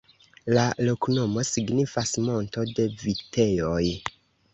La loknomo signifas: "monto de vitejoj.